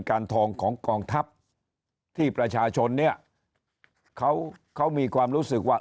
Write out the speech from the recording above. การทองของกองทัพที่ประชาชนเนี่ยเขาเขามีความรู้สึกว่า